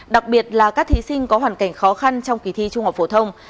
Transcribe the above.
đặc biệt là các thí sinh có hoàn cảnh khó khăn trong kỳ thi trung học phổ thông